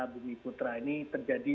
bumi putra ini terjadi